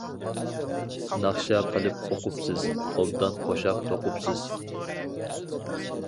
ناخشا قىلىپ ئوقۇپسىز، ئوبدان قوشاق توقۇپسىز.